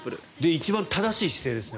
一番正しい姿勢でしたね。